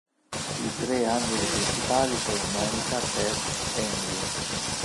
I tre angeli principali sono Monica, Tess e Andrew.